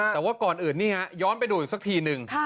แต่ว่าก่อนอื่นนี่ฮะย้อนไปดูอีกสักทีนึง